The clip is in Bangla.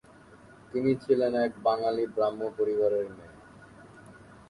তিনি ছিলেন এক বাঙালী ব্রাহ্ম পরিবারের মেয়ে।